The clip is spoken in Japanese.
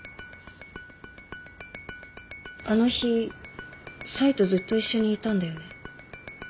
あの日サイとずっと一緒にいたんだよね？